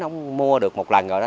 ông mua được một lần rồi đó